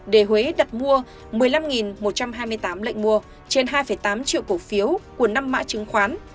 để huế đặt mua một mươi năm một trăm hai mươi tám lệnh mua trên hai tám triệu cổ phiếu của năm mã chứng khoán